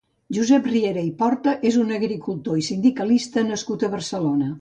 Josep Riera i Porta és un agricultor i sindicalista nascut a Barcelona.